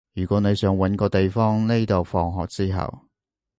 如果你想搵個地方匿到放學之後